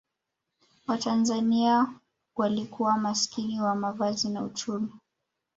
watanzania walikuwa maskini wa mavazi na uchumi